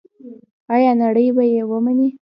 آیا نړۍ به یې ومني؟